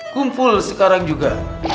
kumpul sekarang juga